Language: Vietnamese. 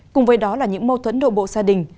cùng với đó là những mâu thuẫn đổ bộ gia đình